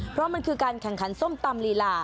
เพราะมันคือการแข่งขันส้มตำลีลา